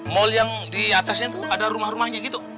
mal yang di atasnya tuh ada rumah rumahnya gitu